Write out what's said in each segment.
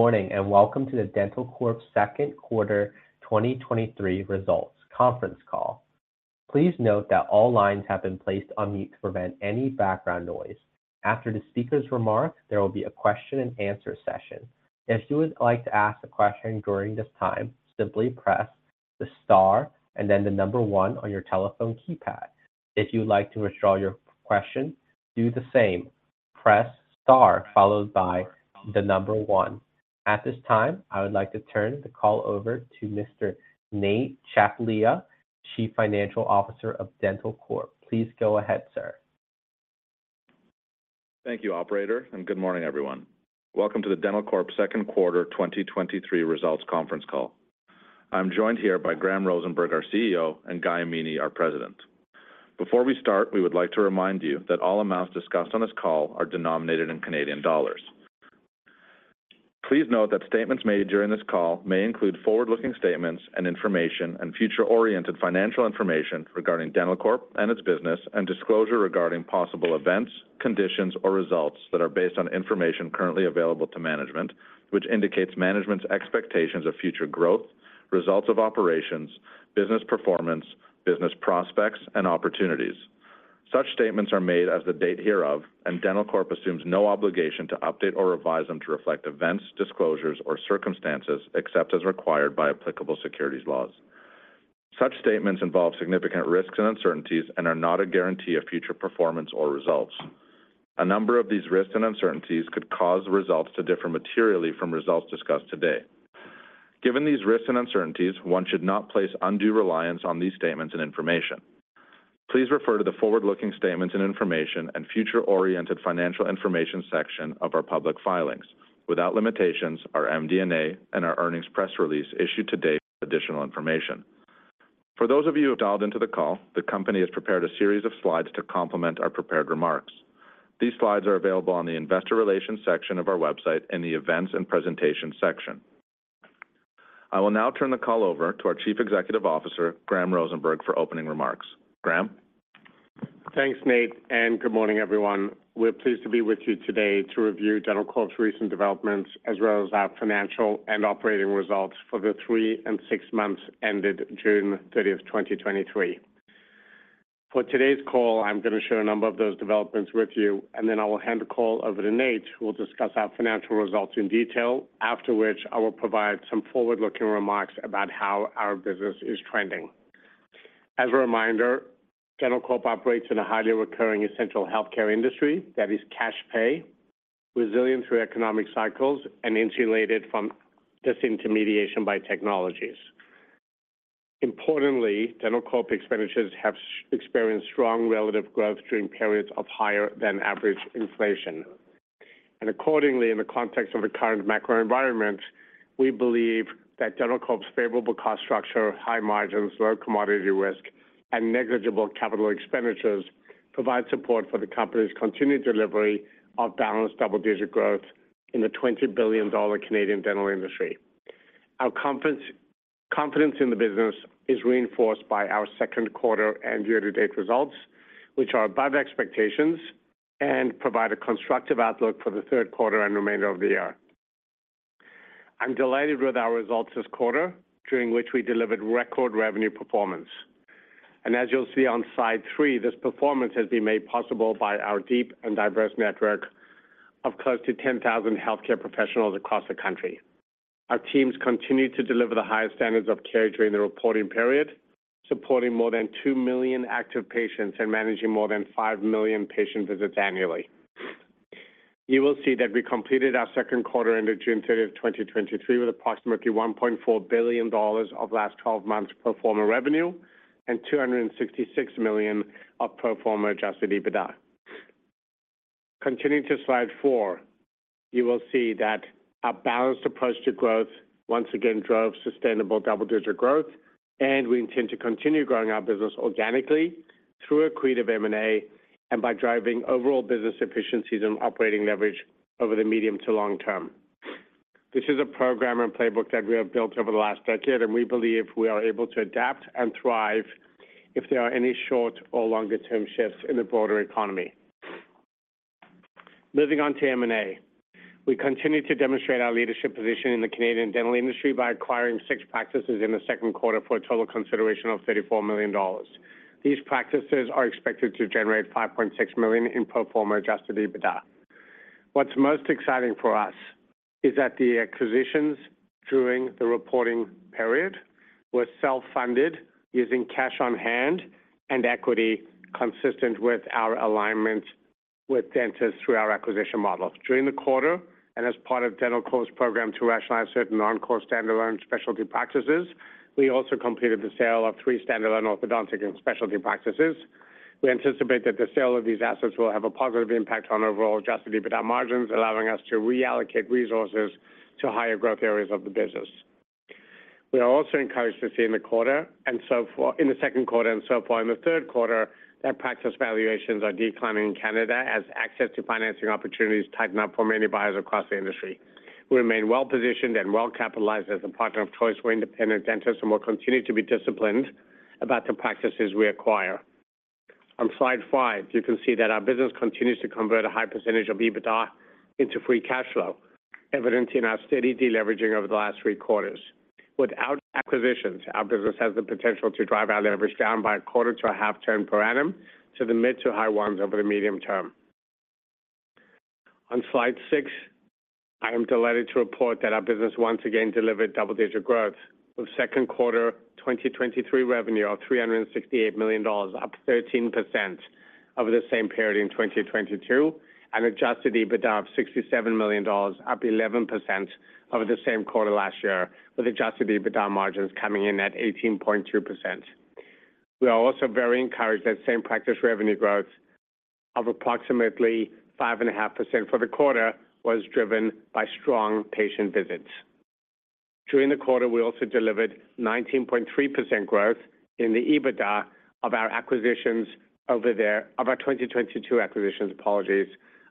Good morning, welcome to the dentalcorp Second Quarter 2023 Results Conference Call. Please note that all lines have been placed on mute to prevent any background noise. After the speaker's remarks, there will be a question and answer session. If you would like to ask a question during this time, simply press the star and then one on your telephone keypad. If you would like to withdraw your question, do the same. Press star, followed by one. At this time, I would like to turn the call over to Mr. Nate Tchaplia, Chief Financial Officer of dentalcorp. Please go ahead, sir. Thank you, operator, and good morning, everyone. Welcome to the dentalcorp Second Quarter 2023 Results Conference Call. I'm joined here by Graham Rosenberg, our CEO, and Guy Amini, our President. Before we start, we would like to remind you that all amounts discussed on this call are denominated in Canadian dollars. Please note that statements made during this call may include forward-looking statements and information and future-oriented financial information regarding dentalcorp and its business, and disclosure regarding possible events, conditions, or results that are based on information currently available to management, which indicates management's expectations of future growth, results of operations, business performance, business prospects, and opportunities. Such statements are made as the date hereof, and dentalcorp assumes no obligation to update or revise them to reflect events, disclosures, or circumstances, except as required by applicable securities laws. Such statements involve significant risks and uncertainties and are not a guarantee of future performance or results. A number of these risks and uncertainties could cause results to differ materially from results discussed today. Given these risks and uncertainties, one should not place undue reliance on these statements and information. Please refer to the forward-looking statements and information and future-oriented financial information section of our public filings. Without limitations, our MD&A and our earnings press release issued to date additional information. For those of you who have dialed into the call, the company has prepared a series of slides to complement our prepared remarks. These slides are available on the Investor Relations section of our website in the Events and Presentation section. I will now turn the call over to our Chief Executive Officer, Graham Rosenberg, for opening remarks. Graham? Thanks, Nate. Good morning, everyone. We're pleased to be with you today to review dentalcorp's recent developments, as well as our financial and operating results for the three and six months ended June 30, 2023. For today's call, I'm going to share a number of those developments with you, and then I will hand the call over to Nate, who will discuss our financial results in detail, after which I will provide some forward-looking remarks about how our business is trending. As a reminder, dentalcorp operates in a highly recurring essential healthcare industry that is cash pay, resilient through economic cycles, and insulated from disintermediation by technologies. Importantly, dentalcorp expenditures have experienced strong relative growth during periods of higher than average inflation. Accordingly, in the context of the current macro environment, we believe that dentalcorp's favorable cost structure, high margins, low commodity risk, and negligible capital expenditures provide support for the company's continued delivery of balanced double-digit growth in the 20 billion Canadian dollars Canadian dental industry. Our confidence in the business is reinforced by our second quarter and year-to-date results, which are above expectations and provide a constructive outlook for the third quarter and remainder of the year. I'm delighted with our results this quarter, during which we delivered record revenue performance. As you'll see on slide three, this performance has been made possible by our deep and diverse network of close to 10,000 healthcare professionals across the country. Our teams continued to deliver the highest standards of care during the reporting period, supporting more than two million active patients and managing more than five million patient visits annually. You will see that we completed our second quarter ended June 30, 2023, with approximately 1.4 billion dollars of last 12 months pro forma revenue and 266 million of pro forma Adjusted EBITDA. Continuing to slide four, you will see that our balanced approach to growth once again drove sustainable double-digit growth, and we intend to continue growing our business organically through accretive M&A and by driving overall business efficiencies and operating leverage over the medium to long term. This is a program and playbook that we have built over the last decade. We believe we are able to adapt and thrive if there are any short or longer-term shifts in the broader economy. Moving on to M&A, we continue to demonstrate our leadership position in the Canadian dental industry by acquiring six practices in the second quarter for a total consideration of 34 million dollars. These practices are expected to generate 5.6 million in pro forma adjusted EBITDA. What's most exciting for us is that the acquisitions during the reporting period were self-funded, using cash on hand and equity consistent with our alignment with dentists through our acquisition model. During the quarter, and as part of dentalcorp's program to rationalize certain non-core standard and specialty practices, we also completed the sale of three standard and orthodontic and specialty practices. We anticipate that the sale of these assets will have a positive impact on overall Adjusted EBITDA margins, allowing us to reallocate resources to higher growth areas of the business. We are also encouraged to see in the quarter and in the second quarter and so far in the third quarter, that practice valuations are declining in Canada as access to financing opportunities tighten up for many buyers across the industry. We remain well-positioned and well-capitalized as a partner of choice for independent dentists and will continue to be disciplined about the practices we acquire. On slide five, you can see that our business continues to convert a high percentage of EBITDA into free cash flow, evidencing our steady deleveraging over the last three quarters. Without acquisitions, our business has the potential to drive our leverage down by 0.25 to 0.5 term per annum to the mid-to-high 1s over the medium term. On Slide six, I am delighted to report that our business once again delivered double-digit growth, with Q2 2023 revenue of CAD 368 million, up 13% over the same period in 2022, and Adjusted EBITDA of 67 million dollars, up 11% over the same quarter last year, with Adjusted EBITDA margins coming in at 18.2%. We are also very encouraged that Same Practice Revenue Growth of approximately 5.5% for the quarter was driven by strong patient visits. During the quarter, we also delivered 19.3% growth in the EBITDA of our acquisitions of our 2022 acquisitions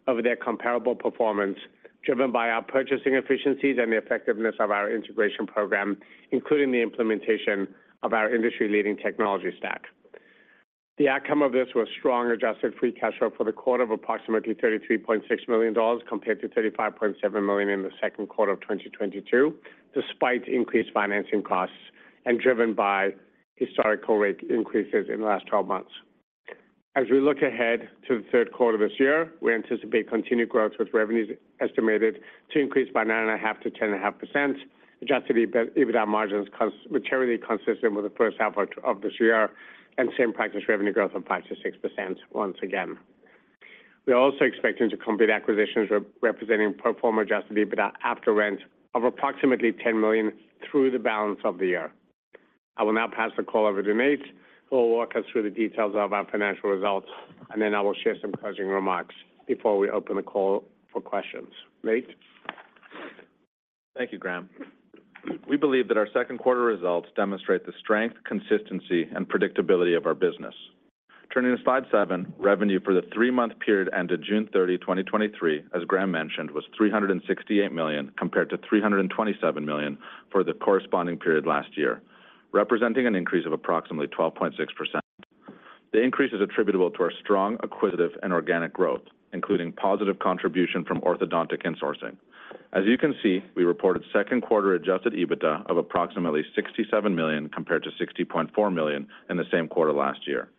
over their comparable performance, driven by our purchasing efficiencies and the effectiveness of our integration program, including the implementation of our industry-leading technology stack. The outcome of this was strong adjusted free cash flow for the quarter of approximately 33.6 million dollars, compared to 35.7 million in the second quarter of 2022, despite increased financing costs and driven by historical rate increases in the last 12 months. As we look ahead to the third quarter this year, we anticipate continued growth, with revenues estimated to increase by 9.5%-10.5%, Adjusted EBITDA margins which are really consistent with the first half of this year, and Same Practice Revenue Growth of 5%-6% once again. We are also expecting to complete acquisitions representing pro forma adjusted EBITDA after rent of approximately 10 million through the balance of the year. I will now pass the call over to Nate, who will walk us through the details of our financial results, and then I will share some closing remarks before we open the call for questions. Nate? Thank you, Graham. W believe that our second quarter results demonstrate the strength, consistency, and predictability of our business. Turning to slide seven, revenue for the three-month period ended June 30, 2023, as Graham mentioned, was 368 million, compared to 327 million for the corresponding period last year, representing an increase of approximately 12.6%. The increase is attributable to our strong acquisitive and organic growth, including positive contribution from orthodontic insourcing. As you can see, we reported second quarter Adjusted EBITDA of approximately 67 million, compared to 60.4 million in the same quarter last year,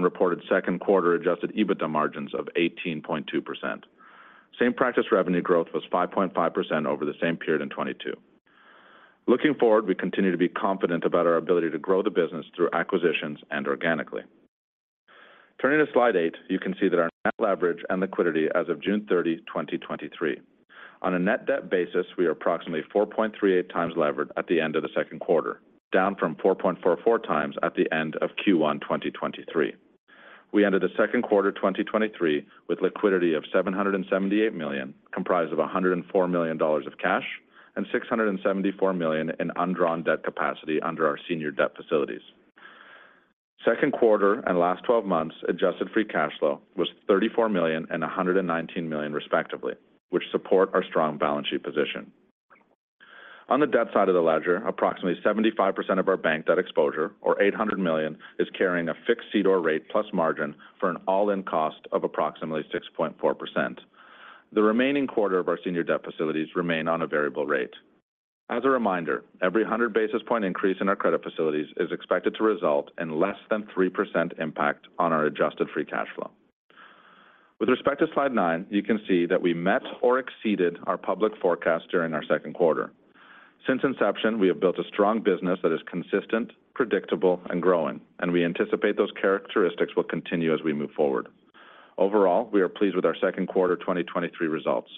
reported second quarter Adjusted EBITDA margins of 18.2%. Same-practice revenue growth was 5.5% over the same period in 2022. Looking forward, we continue to be confident about our ability to grow the business through acquisitions and organically. Turning to slide eight, you can see that our net leverage and liquidity as of June 30, 2023. On a net debt basis, we are approximately 4.38x levered at the end of the second quarter, down from 4.44x at the end of Q1 2023. We ended the second quarter 2023 with liquidity of 778 million, comprised of 104 million dollars of cash and 674 million in undrawn debt capacity under our senior debt facilities. Second quarter and last 12 months, Adjusted free cash flow was 34 million and 119 million, respectively, which support our strong balance sheet position. On the debt side of the ledger, approximately 75% of our bank debt exposure, or 800 million, is carrying a fixed CDOR rate plus margin for an all-in cost of approximately 6.4%. The remaining quarter of our senior debt facilities remain on a variable rate. As a reminder, every 100 basis point increase in our credit facilities is expected to result in less than 3% impact on our Adjusted free cash flow. With respect to slide nine, you can see that we met or exceeded our public forecast during our second quarter. Since inception, we have built a strong business that is consistent, predictable, and growing, and we anticipate those characteristics will continue as we move forward. Overall, we are pleased with our second quarter 2023 results.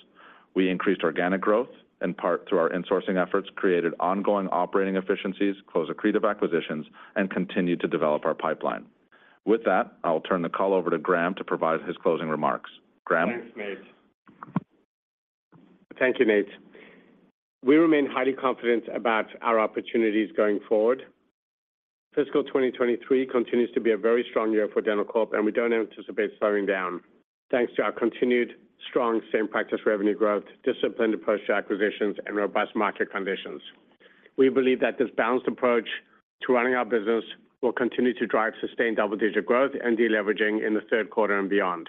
We increased organic growth, in part through our insourcing efforts, created ongoing operating efficiencies, closed accretive acquisitions, and continued to develop our pipeline. With that, I'll turn the call over to Graham to provide his closing remarks. Graham? Thanks, Nate. Thank you, Nate. We remain highly confident about our opportunities going forward. Fiscal 2023 continues to be a very strong year for dentalcorp, we don't anticipate slowing down, thanks to our continued strong Same Practice Revenue Growth, disciplined approach to acquisitions, and robust market conditions. We believe that this balanced approach to running our business will continue to drive sustained double-digit growth and deleveraging in the third quarter and beyond.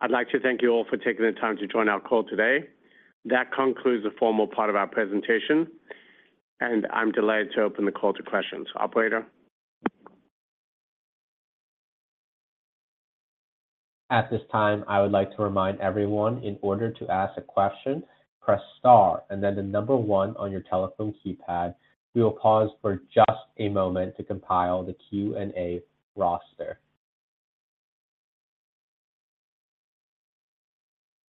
I'd like to thank you all for taking the time to join our call today. That concludes the formal part of our presentation, I'm delighted to open the call to questions. Operator? At this time, I would like to remind everyone in order to ask a question, press star and then the number one on your telephone keypad. We will pause for just a moment to compile the Q&A roster.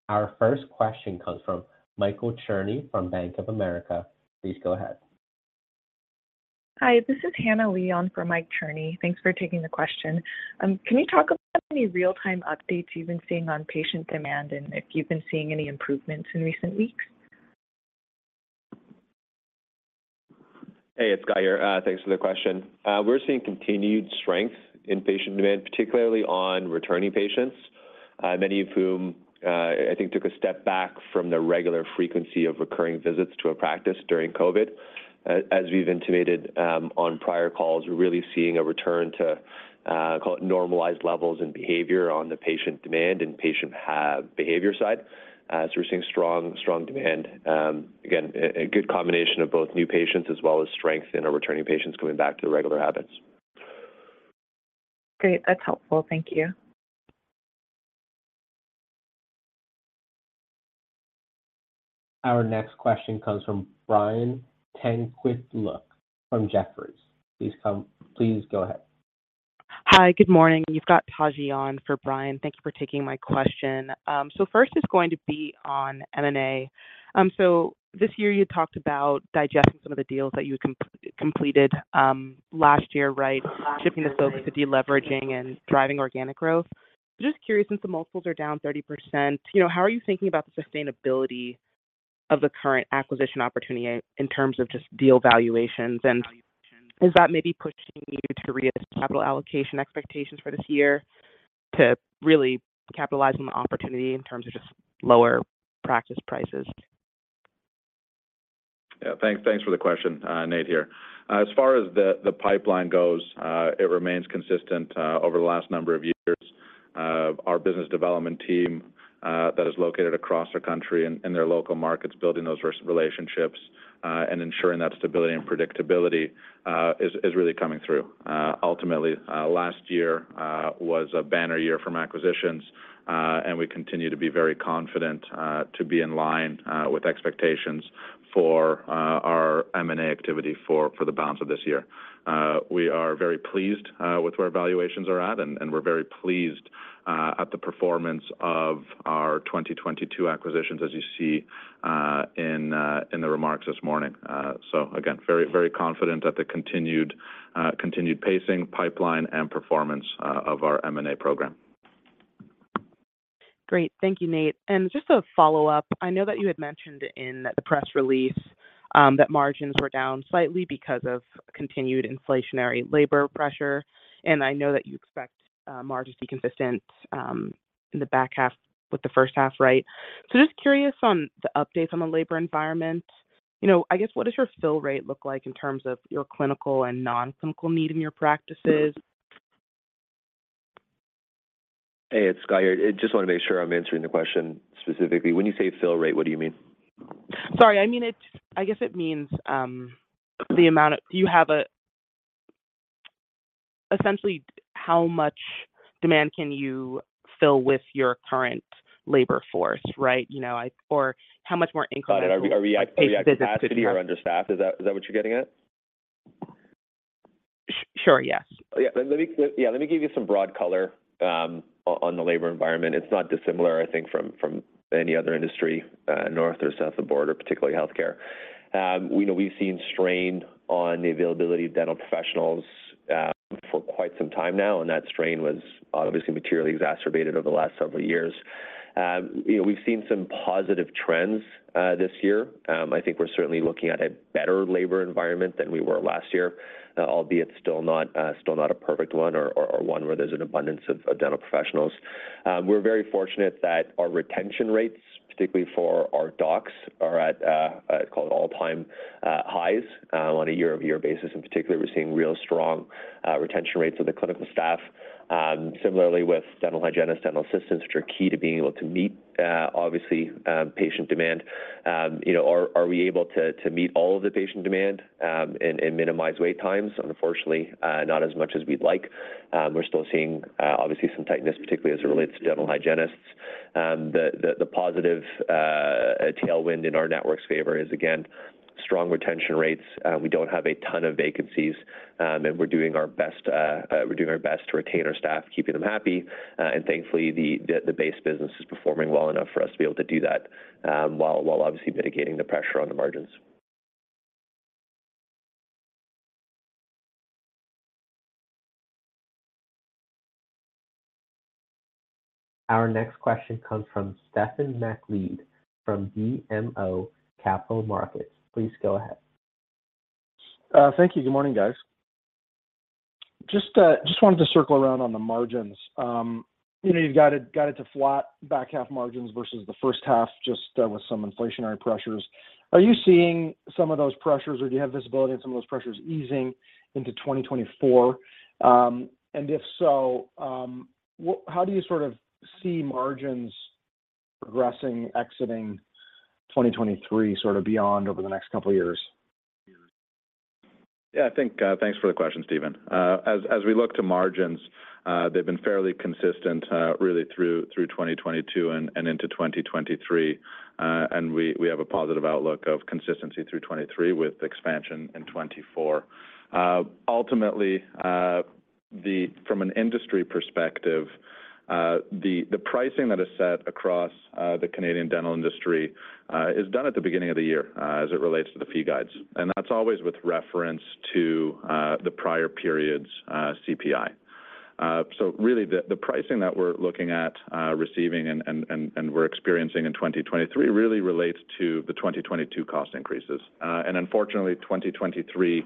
Our first question comes from Michael Cherny from Bank of America. Please go ahead. Hi, this is Hannah Leon for Mike Cherny. Thanks for taking the question. Can you talk about any real-time updates you've been seeing on patient demand, and if you've been seeing any improvements in recent weeks? Hey, it's Guy here. Thanks for the question. We're seeing continued strength in patient demand, particularly on returning patients.... many of whom, I think took a step back from the regular frequency of recurring visits to a practice during COVID. As we've intimated, on prior calls, we're really seeing a return to, call it, normalized levels and behavior on the patient demand and patient behavior side. We're seeing strong, strong demand. Again, a good combination of both new patients as well as strength in our returning patients going back to their regular habits. Great. That's helpful. Thank you. Our next question comes from Brian Tanquilut from Jefferies. Please go ahead. Hi, good morning. You've got Taji on for Brian. Thank you for taking my question. First is going to be on M&A. This year you talked about digesting some of the deals that you completed last year, right? Shifting the focus to deleveraging and driving organic growth. Just curious, since the multiples are down 30%, you know, how are you thinking about the sustainability of the current acquisition opportunity in terms of just deal valuations? Is that maybe pushing you to re-evaluate capital allocation expectations for this year to really capitalize on the opportunity in terms of just lower practice prices? Yeah, thanks, thanks for the question, Nate here. As far as the, the pipeline goes, it remains consistent over the last number of years. Our business development team, that is located across the country and in their local markets, building those relationships, and ensuring that stability and predictability, is, is really coming through. Ultimately, last year, was a banner year from acquisitions, and we continue to be very confident, to be in line, with expectations for, our M&A activity for, for the balance of this year. We are very pleased, with where valuations are at, and, and we're very pleased, at the performance of our 2022 acquisitions, as you see, in, in the remarks this morning. Again, very, very confident that the continued, continued pacing, pipeline, and performance of our M&A program. Great. Thank you, Nate. Just a follow-up: I know that you had mentioned in the press release, that margins were down slightly because of continued inflationary labor pressure, and I know that you expect, margins to be consistent, in the back half with the first half, right? Just curious on the updates on the labor environment. You know, I guess, what does your fill rate look like in terms of your clinical and non-clinical need in your practices? Hey, it's Guy here. I just want to make sure I'm answering the question specifically. When you say fill rate, what do you mean? Sorry, I mean, I guess it means, the amount of-- Do you have a... Essentially, how much demand can you fill with your current labor force, right? You know, or how much more incremental- Got it. Are we at, are we at capacity or understaffed? Is that, is that what you're getting at? Sure. Yes. Yeah. Let me, yeah, let me give you some broad color on the labor environment. It's not dissimilar, I think, from any other industry, north or south of the border, particularly healthcare. We know we've seen strain on the availability of dental professionals for quite some time now, and that strain was obviously materially exacerbated over the last several years. You know, we've seen some positive trends this year. I think we're certainly looking at a better labor environment than we were last year, albeit still not, still not a perfect one or, or, or one where there's an abundance of dental professionals. We're very fortunate that our retention rates, particularly for our docs, are at called all-time highs on a year-over-year basis. In particular, we're seeing real strong retention rates of the clinical staff. Similarly with dental hygienists, dental assistants, which are key to being able to meet, obviously, patient demand. You know, are we able to meet all of the patient demand and minimize wait times? Unfortunately, not as much as we'd like. We're still seeing, obviously some tightness, particularly as it relates to dental hygienists. The, the, the positive tailwind in our network's favor is, again, strong retention rates. We don't have a ton of vacancies, and we're doing our best, we're doing our best to retain our staff, keeping them happy. Thankfully, the, the, the base business is performing well enough for us to be able to do that, while, while obviously mitigating the pressure on the margins. Our next question comes from Stephen MacLeod, from BMO Capital Markets. Please go ahead. Thank you. Good morning, guys. Just wanted to circle around on the margins. You know, you've got it, got it to flat back half margins versus the first half, just with some inflationary pressures. Are you seeing some of those pressures, or do you have visibility on some of those pressures easing into 2024? If so, how do you sort of see margins progressing, exiting 2023, sort of beyond over the next couple of years? Yeah, I think, thanks for the question, Stephen. As, as we look to margins, they've been fairly consistent, really through, through 2022 and, and into 2023. We, we have a positive outlook of consistency through 2023 with expansion in 2024. Ultimately, the-- from an industry perspective, the, the pricing that is set across the Canadian dental industry is done at the beginning of the year, as it relates to the fee guides, and that's always with reference to the prior period's CPI. Really the, the pricing that we're looking at, receiving and, and, and, and we're experiencing in 2023 really relates to the 2022 cost increases. Unfortunately, 2023,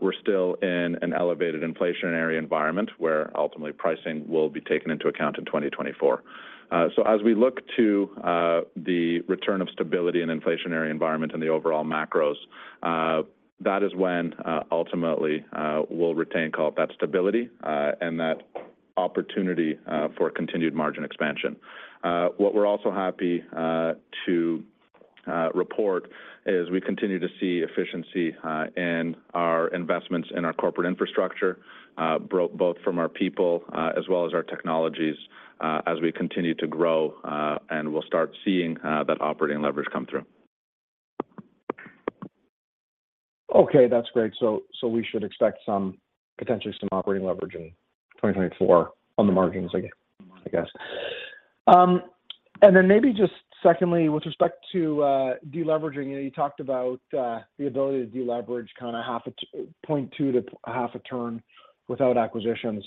we're still in an elevated inflationary environment, where ultimately pricing will be taken into account in 2024. As we look to the return of stability and inflationary environment and the overall macros, that is when ultimately we'll retain call it that stability and that opportunity for continued margin expansion. What we're also happy to report is we continue to see efficiency in our investments in our corporate infrastructure, both from our people as well as our technologies, as we continue to grow, and we'll start seeing that operating leverage come through. Okay, that's great. So we should expect potentially some operating leverage in 2024 on the margins, I guess, I guess. Then maybe just secondly, with respect to deleveraging, you know, you talked about the ability to deleverage kind of 0.2-0.5 turn without acquisitions.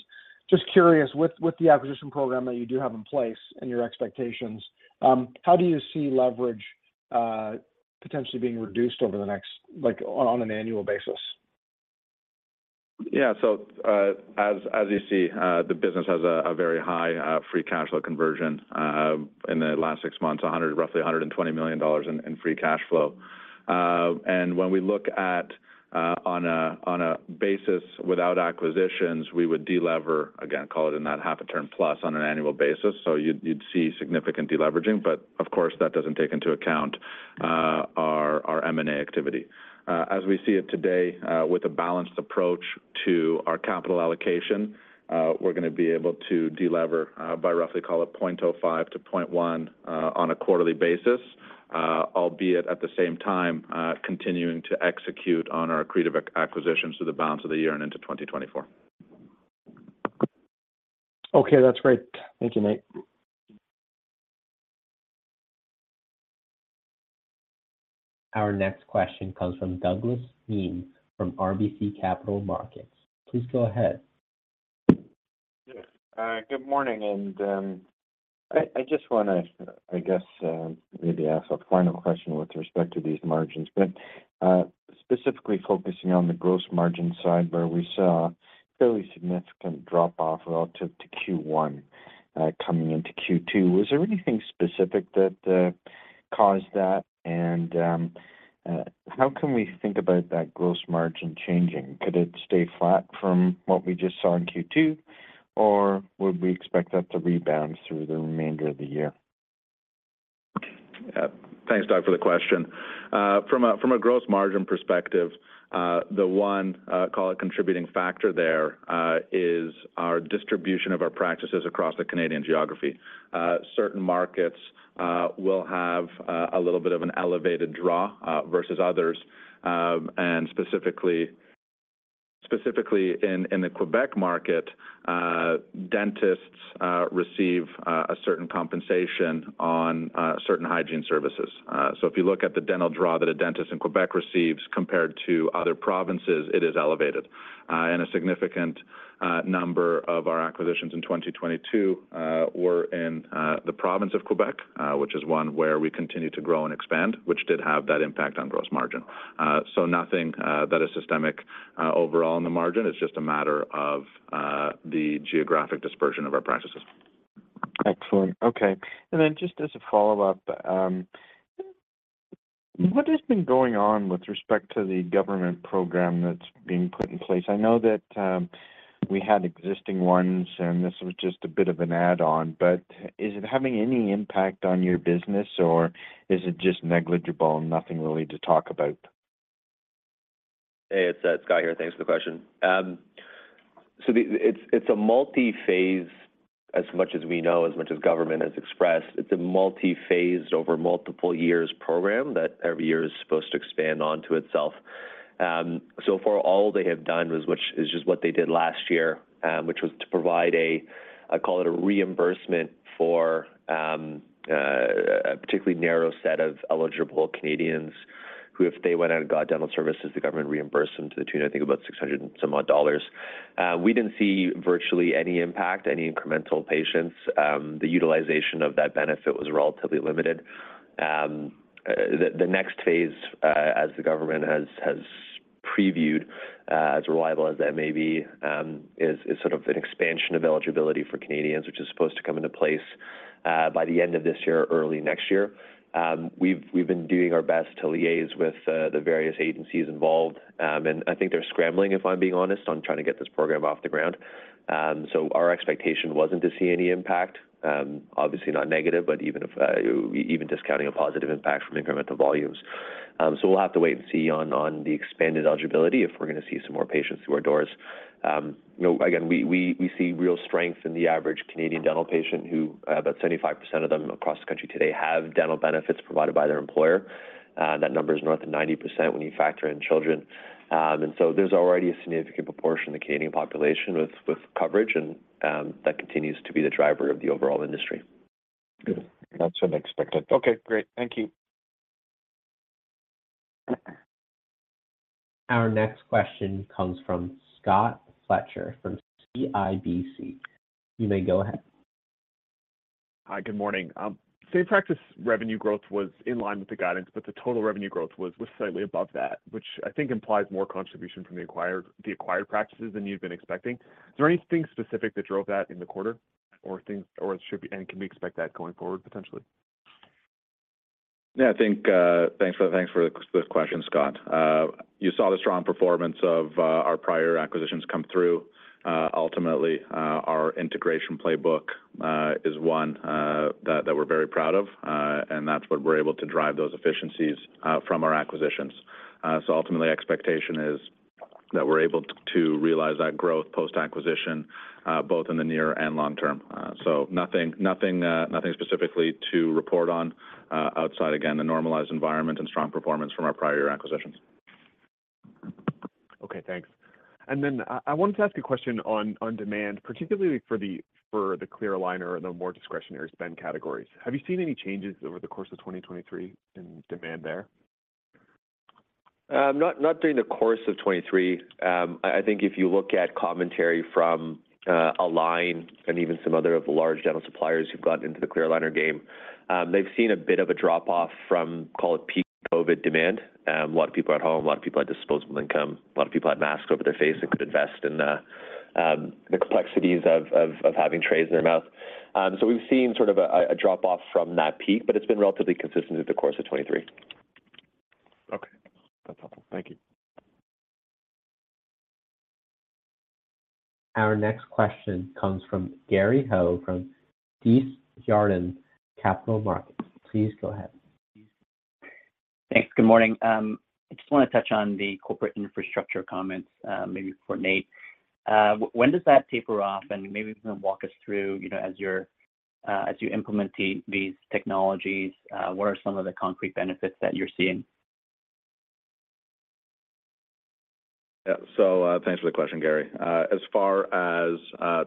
Just curious, with, with the acquisition program that you do have in place and your expectations, how do you see leverage potentially being reduced over the next, like, on an annual basis? Yeah. As you see, the business has a very high free cash flow conversion. In the last six months, roughly 120 million dollars in free cash flow. When we look at on a basis without acquisitions, we would delever, again, call it in that 0.5 turn plus on an annual basis. You'd see significant deleveraging, but of course, that doesn't take into account our M&A activity. As we see it today, with a balanced approach to our capital allocation, we're gonna be able to delever by roughly call it 0.05-0.1 on a quarterly basis, albeit at the same time, continuing to execute on our accretive acquisitions through the balance of the year and into 2024. Okay, that's great. Thank you, Nate. Our next question comes from Douglas Miehm, from RBC Capital Markets. Please go ahead. Yes. Good morning, and I, I just wanna, I guess, maybe ask a final question with respect to these margins, but specifically focusing on the gross margin side, where we saw a fairly significant drop-off relative to Q1, coming into Q2. Was there anything specific that caused that? How can we think about that gross margin changing? Could it stay flat from what we just saw in Q2, or would we expect that to rebound through the remainder of the year? Thanks, Doug, for the question. From a gross margin perspective, the one call it contributing factor there is our distribution of our practices across the Canadian geography. Certain markets will have a little bit of an elevated draw versus others. Specifically in the Quebec market, dentists receive a certain compensation on certain hygiene services. If you look at the dental draw that a dentist in Quebec receives compared to other provinces, it is elevated. A significant number of our acquisitions in 2022 were in the province of Quebec, which is one where we continue to grow and expand, which did have that impact on gross margin. Nothing that is systemic overall in the margin. It's just a matter of the geographic dispersion of our practices. Excellent. Okay. Then just as a follow-up, what has been going on with respect to the government program that's being put in place? I know that, we had existing ones, and this was just a bit of an add-on, but is it having any impact on your business, or is it just negligible and nothing really to talk about? Hey, it's Guy here. Thanks for the question. The-- it's, it's a multi-phase as much as we know, as much as government has expressed. It's a multi-phased over multiple years program that every year is supposed to expand onto itself. So far, all they have done was, which is just what they did last year, which was to provide a, call it a reimbursement for a particularly narrow set of eligible Canadians, who, if they went out and got dental services, the government reimbursed them to the tune, I think, about 600 and some odd dollars. We didn't see virtually any impact, any incremental patients. The utilization of that benefit was relatively limited. The, the next phase, as the government has, has previewed, as reliable as that may be, is, is sort of an expansion of eligibility for Canadians, which is supposed to come into place by the end of this year or early next year. We've, we've been doing our best to liaise with the various agencies involved, and I think they're scrambling, if I'm being honest, on trying to get this program off the ground. Our expectation wasn't to see any impact, obviously not negative, but even if, even discounting a positive impact from incremental volumes. We'll have to wait and see on, on the expanded eligibility if we're going to see some more patients through our doors. You know, again, we, we, we see real strength in the average Canadian dental patient, who, about 75% of them across the country today have dental benefits provided by their employer. That number is north of 90% when you factor in children. There's already a significant proportion of the Canadian population with, with coverage, and that continues to be the driver of the overall industry. Good. That's what I expected. Okay, great. Thank you. Our next question comes from Scott Fletcher from CIBC. You may go ahead. Hi, good morning. Same Practice Revenue Growth was in line with the guidance. The total revenue growth was slightly above that, which I think implies more contribution from the acquired practices than you've been expecting. Is there anything specific that drove that in the quarter and can we expect that going forward, potentially? Yeah, I think, thanks for, thanks for this question, Scott. You saw the strong performance of, our prior acquisitions come through. Ultimately, our integration playbook, is one, that, that we're very proud of, and that's what we're able to drive those efficiencies, from our acquisitions. Ultimately, expectation is that we're able to realize that growth post-acquisition, both in the near and long term. Nothing, nothing, nothing specifically to report on, outside, again, the normalized environment and strong performance from our prior year acquisitions. Okay, thanks. Then, I wanted to ask a question on, on demand, particularly for the, for the clear aligner or the more discretionary spend categories. Have you seen any changes over the course of 2023 in demand there? Not, not during the course of 2023. I, I think if you look at commentary from Align and even some other of the large dental suppliers who've gotten into the clear aligner game, they've seen a bit of a drop-off from, call it, peak COVID demand. A lot of people at home, a lot of people had disposable income, a lot of people had masks over their face and could invest in the complexities of, of, of having trays in their mouth. We've seen sort of a, a drop-off from that peak, but it's been relatively consistent through the course of 2023. Okay. That's helpful. Thank you. Our next question comes from Gary Ho from Desjardins Capital Markets. Please go ahead. Thanks. Good morning. I just want to touch on the corporate infrastructure comments, maybe for Nate. When does that taper off? Maybe you can walk us through, you know, as you're, as you implement these technologies, what are some of the concrete benefits that you're seeing? Yeah. Thanks for the question, Gary. As far as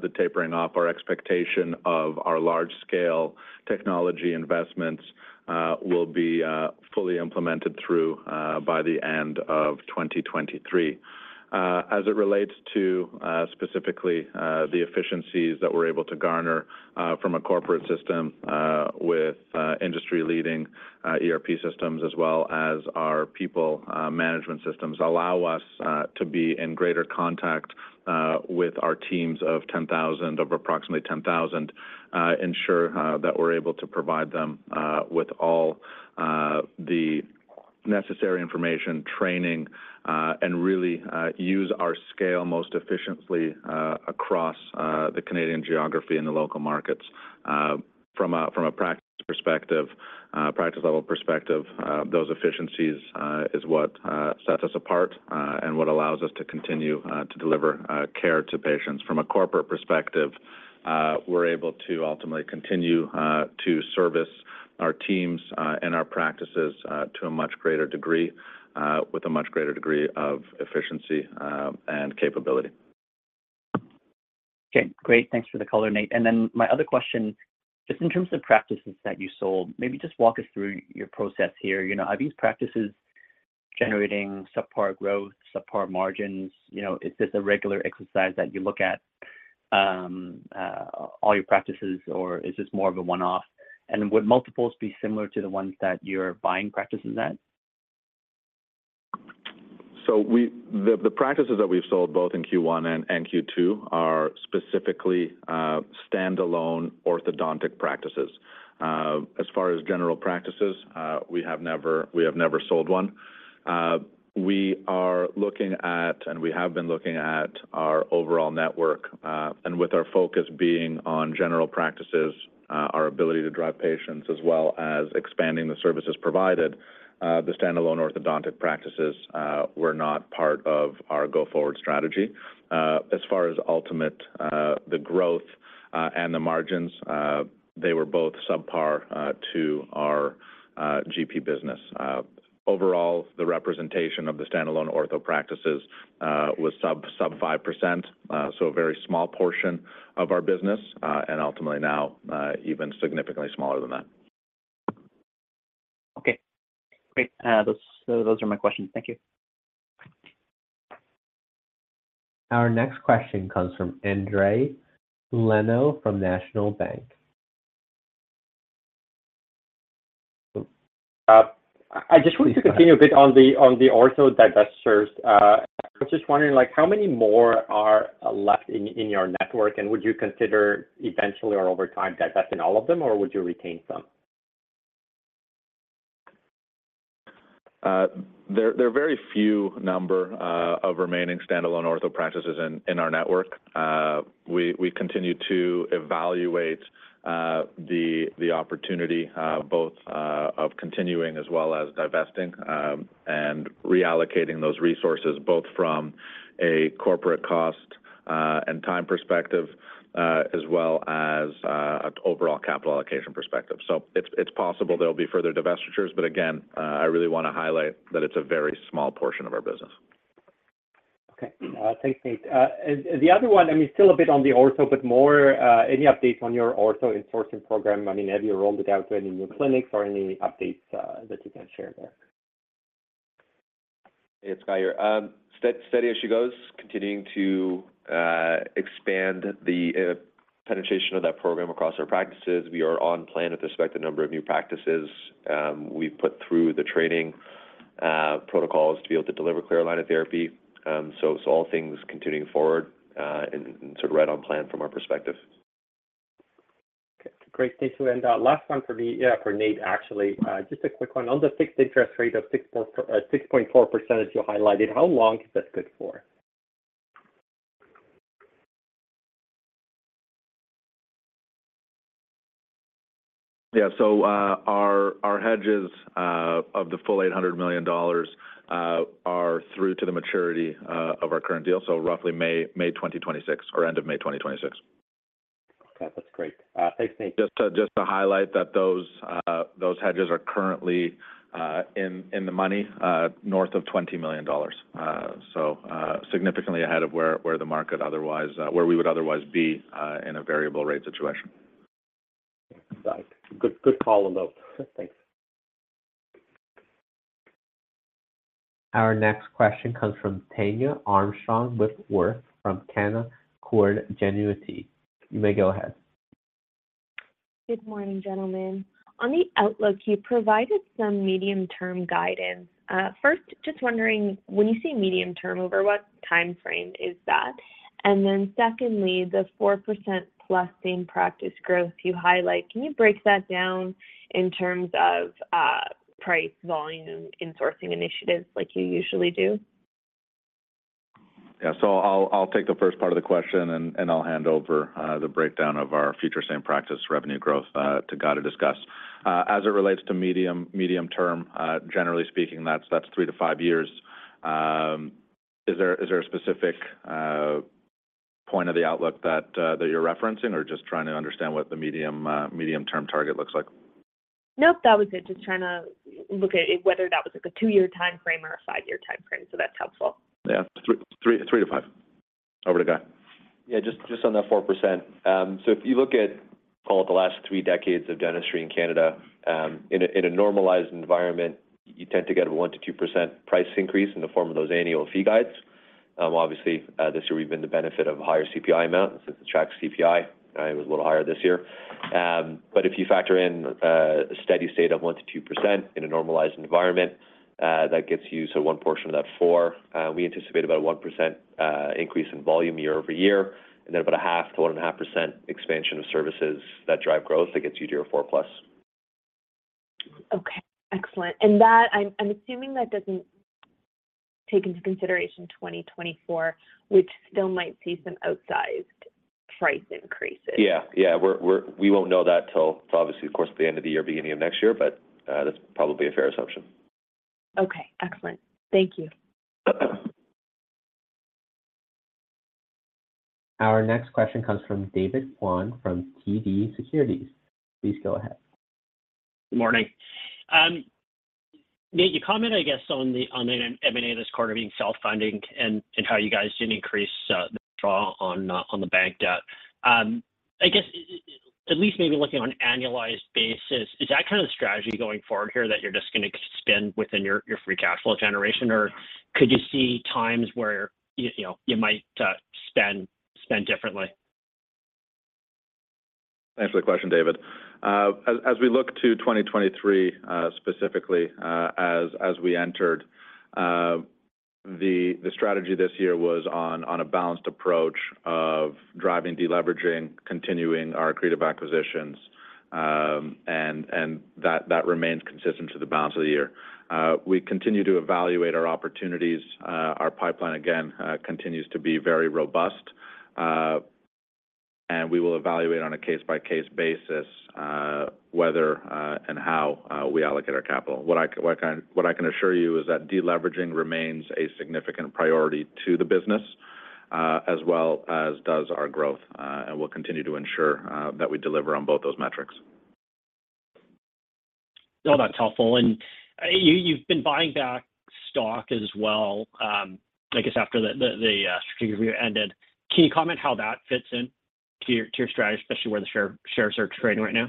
the tapering off, our expectation of our large-scale technology investments will be fully implemented through by the end of 2023. As it relates to specifically the efficiencies that we're able to garner from a corporate system with industry-leading ERP systems as well as our people management systems, allow us to be in greater contact with our teams of 10,000, of approximately 10,000. Ensure that we're able to provide them with all the necessary information, training, and really use our scale most efficiently across the Canadian geography and the local markets. From a, from a practice perspective, practice level perspective, those efficiencies is what sets us apart, and what allows us to continue to deliver care to patients. From a corporate perspective, we're able to ultimately continue to service our teams and our practices to a much greater degree, with a much greater degree of efficiency and capability. Okay, great. Thanks for the color, Nate. My other question, just in terms of practices that you sold, maybe just walk us through your process here. You know, are these practices generating subpar growth, subpar margins? You know, is this a regular exercise that you look at all your practices, or is this more of a one-off? Would multiples be similar to the ones that you're buying practices at? We-- the, the practices that we've sold, both in Q1 and Q2, are specifically standalone orthodontic practices. As far as general practices, we have never, we have never sold one. We are looking at, and we have been looking at our overall network, and with our focus being on general practices, our ability to drive patients, as well as expanding the services provided, the standalone orthodontic practices, were not part of our go-forward strategy. As far as ultimate, the growth, and the margins, they were both subpar to our GP business. Overall, the representation of the standalone ortho practices, was sub, sub 5%, so a very small portion of our business, and ultimately now, even significantly smaller than that. Okay, great. Those, those are my questions. Thank you. Our next question comes from Endri Leno from National Bank. I just wanted to continue a bit on the, on the ortho divestitures. I was just wondering, like, how many more are left in, in your network, and would you consider eventually or over time, divesting all of them, or would you retain some? There, there are very few number of remaining standalone ortho practices in, in our network. We, we continue to evaluate the, the opportunity, both of continuing as well as divesting, and reallocating those resources, both from a corporate cost and time perspective, as well as an overall capital allocation perspective. It's, it's possible there'll be further divestitures, but again, I really want to highlight that it's a very small portion of our business. ... Okay, thanks, Nate. The other one, I mean, still a bit on the ortho, but more, any updates on your ortho insourcing program? I mean, have you rolled it out to any new clinics or any updates that you can share there? Hey, it's Guy here. steady as she goes, continuing to expand the penetration of that program across our practices. We are on plan with respect to the number of new practices. We've put through the training protocols to be able to deliver clear aligner therapy. All things continuing forward, and sort of right on plan from our perspective. Okay, great, thanks. End, last one for me. Yeah, for Nate, actually. Just a quick one. On the fixed interest rate of 6.4% that you highlighted, how long is that good for? Yeah. Our, our hedges, of the full 800 million dollars, are through to the maturity, of our current deal, so roughly May, May 2026, or end of May 2026. Okay, that's great. Thanks, Nate. Just to, just to highlight that those, those hedges are currently, in, in the money, north of $20 million. Significantly ahead of where, where the market otherwise where we would otherwise be, in a variable rate situation. Got it. Good, good call on those. Thanks. Our next question comes from Tania Armstrong-Withworth from Canaccord Genuity. You may go ahead. Good morning, gentlemen. On the outlook, you provided some medium-term guidance. First, just wondering, when you say medium term, over what time frame is that? Secondly, the 4%+ Same Practice Growth you highlight, can you break that down in terms of price, volume, insourcing initiatives like you usually do? Yeah. I'll, I'll take the first part of the question, and, and I'll hand over the breakdown of our future Same Practice Revenue Growth to Guy to discuss. As it relates to medium, medium term, generally speaking, that's, that's three to five years. Is there, is there a specific point of the outlook that, that you're referencing or just trying to understand what the medium, medium-term target looks like? Nope, that was it. Just trying to look at whether that was like a two-year time frame or a five-year time frame. That's helpful. Yeah. 3, 3-5. Over to Guy. Just on that 4%. If you look at all the last three decades of dentistry in Canada, in a normalized environment, you tend to get a 1%-2% price increase in the form of those annual fee guides. Obviously, this year we've been the benefit of a higher CPI amount since the track CPI, it was a little higher this year. If you factor in a steady state of 1%-2% in a normalized environment, that gets you to one portion of that four. We anticipate about a 1% increase in volume year-over-year, and then about a 0.5%-1.5% expansion of services that drive growth, that gets you to your 4+. Okay, excellent. That, I'm assuming that doesn't take into consideration 2024, which still might see some outsized price increases? Yeah. Yeah, we're, we're we won't know that till, obviously, of course, the end of the year, beginning of next year, but, that's probably a fair assumption. Okay, excellent. Thank you. Our next question comes from David Kwan, from TD Securities. Please go ahead. Good morning. Nate, you commented, I guess, on the, on the M&A this quarter being self-funding and, and how you guys didn't increase the draw on the bank debt. I guess at least maybe looking on an annualized basis, is that kind of the strategy going forward here, that you're just gonna spend within your, your free cash flow generation? Or could you see times where, you know, you might spend, spend differently? Thanks for the question, David. As we look to 2023, specifically, as we entered, the strategy this year was on a balanced approach of driving, deleveraging, continuing our creative acquisitions, and that remains consistent to the balance of the year. We continue to evaluate our opportunities. Our pipeline, again, continues to be very robust, and we will evaluate on a case-by-case basis, whether and how we allocate our capital. What I can assure you is that deleveraging remains a significant priority to the business, as well as does our growth, we'll continue to ensure that we deliver on both those metrics. No, that's helpful. You, you've been buying back stock as well, I guess after the strategic review ended. Can you comment how that fits in to your, to your strategy, especially where the shares are trading right now?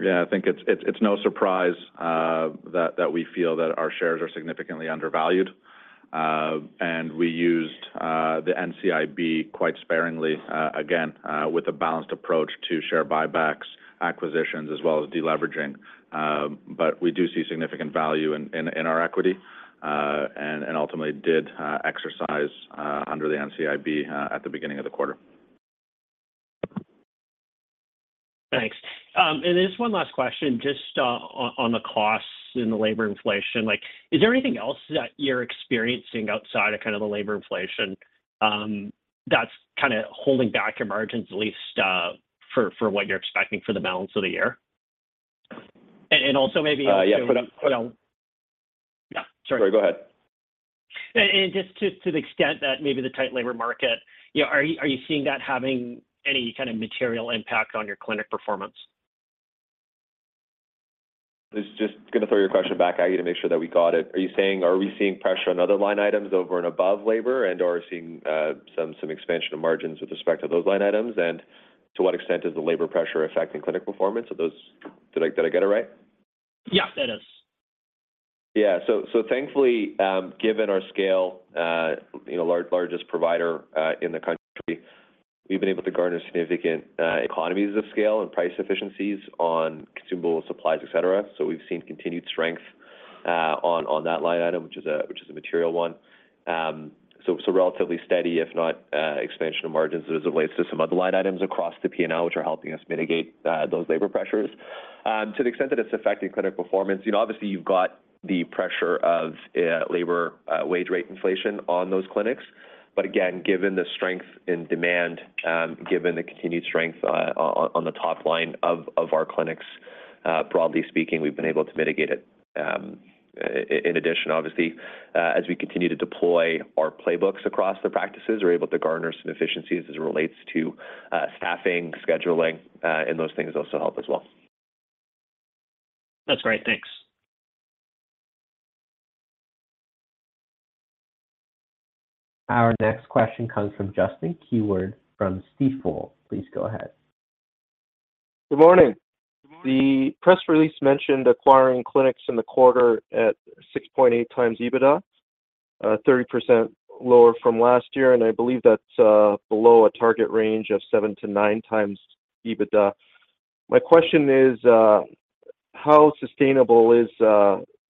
Yeah, I think it's, it's, it's no surprise that, that we feel that our shares are significantly undervalued. We used the NCIB quite sparingly again with a balanced approach to share buybacks, acquisitions, as well as deleveraging. We do see significant value in, in, in our equity and, and ultimately did exercise under the NCIB at the beginning of the quarter. Thanks. Just one last question, just on, on the costs and the labor inflation. Like, is there anything else that you're experiencing outside of kind of the labor inflation, that's kind of holding back your margins, at least, for, for what you're expecting for the balance of the year? Also maybe- Yeah, go ahead. Yeah, sorry. Sorry, go ahead. Just to, to the extent that maybe the tight labor market, you know, are you, are you seeing that having any kind of material impact on your clinic performance?... Just, just going to throw your question back at you to make sure that we got it. Are you saying, are we seeing pressure on other line items over and above labor, are we seeing some expansion of margins with respect to those line items? To what extent is the labor pressure affecting clinic performance? Did I, did I get it right? Yeah, that is. Yeah. So thankfully, given our scale, you know, largest provider in the country, we've been able to garner significant economies of scale and price efficiencies on consumable supplies, et cetera. We've seen continued strength on that line item, which is a, which is a material one. So relatively steady, if not, expansion of margins as it relates to some other line items across the P&L, which are helping us mitigate those labor pressures. To the extent that it's affecting clinic performance, you know, obviously, you've got the pressure of labor, wage rate inflation on those clinics. Again, given the strength in demand, given the continued strength on the top line of our clinics, broadly speaking, we've been able to mitigate it. In addition, obviously, as we continue to deploy our playbooks across the practices, we're able to garner some efficiencies as it relates to staffing, scheduling, and those things also help as well. That's great. Thanks. Our next question comes from Justin Keywood from Stifel. Please go ahead. Good morning. The press release mentioned acquiring clinics in the quarter at 6.8x EBITDA, 30% lower from last year, and I believe that's below a target range of 7x-9x EBITDA. My question is how sustainable is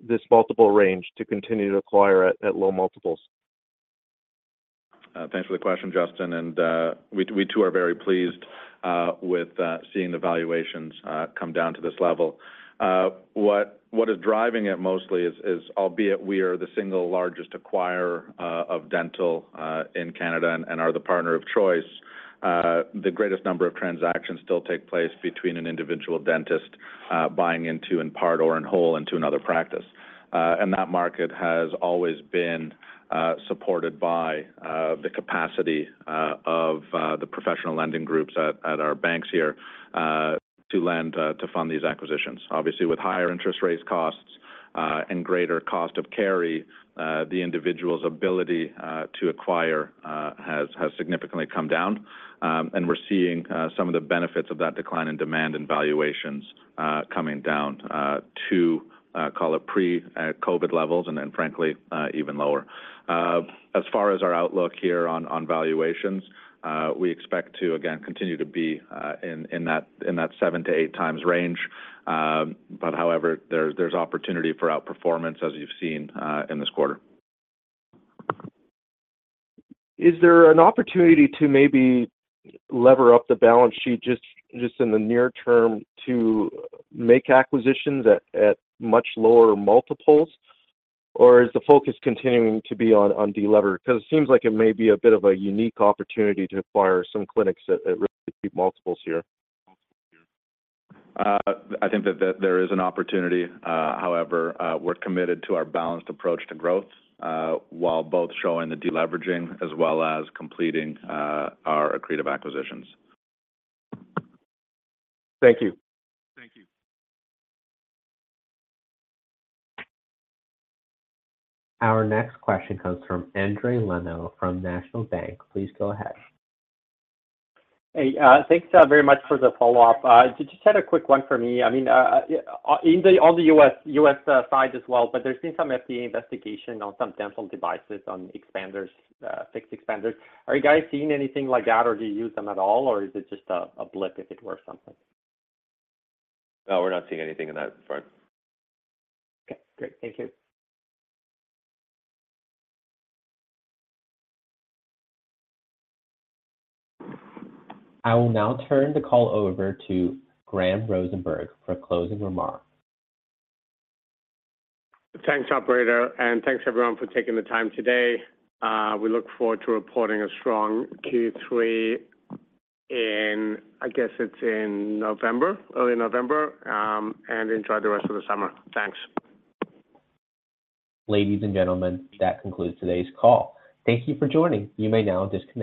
this multiple range to continue to acquire at low multiples? Thanks for the question, Justin, and we, we too are very pleased with seeing the valuations come down to this level. What, what is driving it mostly is, is, albeit we are the single largest acquirer of dental in Canada and, and are the partner of choice, the greatest number of transactions still take place between an individual dentist buying into in part or in whole into another practice. That market has always been supported by the capacity of the professional lending groups at, at our banks here to lend to fund these acquisitions. Obviously, with higher interest rates, costs, and greater cost of carry, the individual's ability to acquire has, has significantly come down. We're seeing some of the benefits of that decline in demand and valuations coming down to call it pre-COVID levels, and then frankly, even lower. As far as our outlook here on valuations, we expect to again, continue to be in that 7x-8x range. However, there's opportunity for outperformance, as you've seen in this quarter. Is there an opportunity to maybe lever up the balance sheet just, just in the near term to make acquisitions at, at much lower multiples? Or is the focus continuing to be on, on delever? Because it seems like it may be a bit of a unique opportunity to acquire some clinics at, at really deep multiples here. I think that, that there is an opportunity. However, we're committed to our balanced approach to growth, while both showing the deleveraging as well as completing our accretive acquisitions. Thank you. Thank you. Our next question comes from Endri Leno from National Bank Financial. Please go ahead. Hey, thanks very much for the follow-up. Just had a quick one for me. I mean, on the U.S., U.S. side as well, there's been some FDA investigation on some dental devices on expanders, fixed expanders. Are you guys seeing anything like that, or do you use them at all, or is it just a, a blip, if it were something? No, we're not seeing anything in that front. Okay, great. Thank you. I will now turn the call over to Graham Rosenberg for closing remarks. Thanks, operator, and thanks everyone for taking the time today. We look forward to reporting a strong Q3 in, I guess it's in November, early November, and enjoy the rest of the summer. Thanks. Ladies and gentlemen, that concludes today's call. Thank you for joining. You may now disconnect.